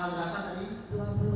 saudara akhirnya berangkat